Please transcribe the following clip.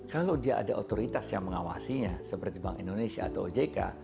kalau dia ada otoritas yang mengawasinya seperti bank indonesia atau ojk